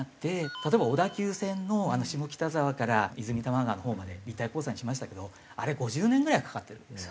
例えば小田急線の下北沢から和泉多摩川のほうまで立体交差にしましたけどあれ５０年ぐらいかかってるんですよ。